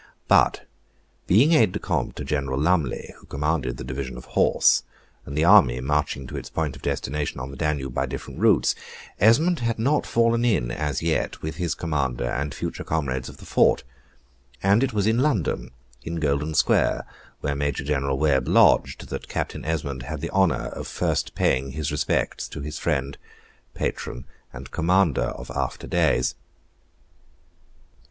But being aide de camp to General Lumley, who commanded the division of horse, and the army marching to its point of destination on the Danube by different routes, Esmond had not fallen in, as yet, with his commander and future comrades of the fort; and it was in London, in Golden Square, where Major General Webb lodged, that Captain Esmond had the honor of first paying his respects to his friend, patron, and commander of after days.